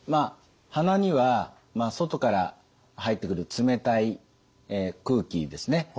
鼻には外から入ってくる冷たい空気ですね